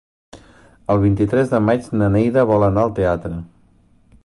El vint-i-tres de maig na Neida vol anar al teatre.